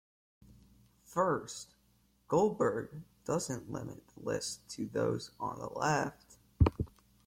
First, Goldberg doesn't limit the list to those on the Left.